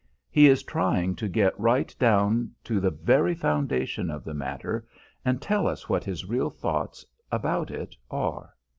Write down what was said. He is trying to get right down to the very foundation of the matter and tell us what his real thoughts about it are.